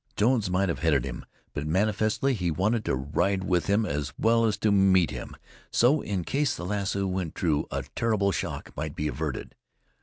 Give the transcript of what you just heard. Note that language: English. Jones might have headed him, but manifestly he wanted to ride with him, as well as to meet him, so in case the lasso went true, a terrible shock might be averted.